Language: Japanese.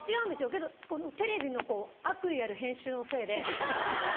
けどテレビの悪意ある編集のせいで。